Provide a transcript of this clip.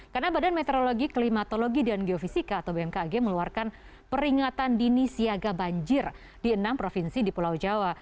karena badan meteorologi klimatologi dan geofisika atau bmkg meluarkan peringatan dini siaga banjir di enam provinsi di pulau jawa